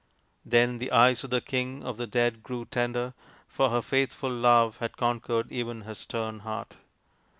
Then the eyes of the King of the Dead grew tender, for her faithful love had conquered even his stern heart.